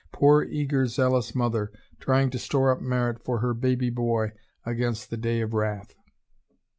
Poor, eager, zealous mother, trying to store up merit for her baby boy against the day of wrath!